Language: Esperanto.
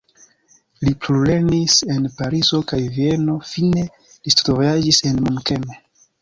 Li plulernis en Parizo kaj Vieno, fine li studvojaĝis al Munkeno.